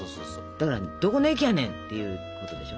だからどこの駅やねんっていうことでしょ？